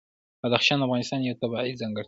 بدخشان د افغانستان یوه طبیعي ځانګړتیا ده.